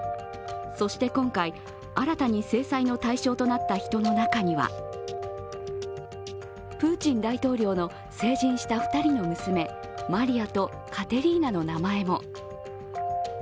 そして今回、新たに制裁の対象となった人の中にはプーチン大統領の成人した２人の娘マリアとカテリーナの名前も。